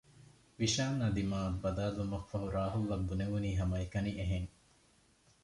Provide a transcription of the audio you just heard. ވިޝާންއާ ދިމާއަށް ބަލާލުމަށްފަހު ރާހުލްއަށް ބުނެވުނީ ހަމައެކަނި އެހެން